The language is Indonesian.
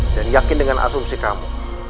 dan yakin dengan asumsi kamu